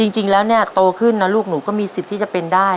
จริงแล้วเนี่ยโตขึ้นนะลูกหนูก็มีสิทธิ์ที่จะเป็นได้